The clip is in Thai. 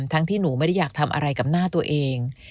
ที่หนูไม่ได้อยากทำอะไรกับหน้าตัวเอง